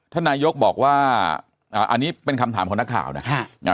ท่านนายกบอกว่าอันนี้เป็นคำถามของนักข่าวนะ